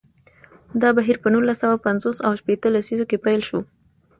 دا بهیر په نولس سوه پنځوس او شپیته لسیزو کې پیل شو.